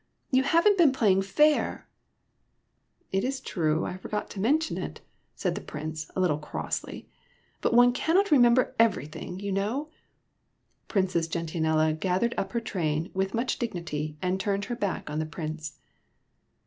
You have n't been playing fair !"" It is true I forgot to mention it," said the Prince, a little crossly ;" but one cannot re member everything, you know." Princess Gentianella gathered up her train with much dignity and turned her back on the Prince.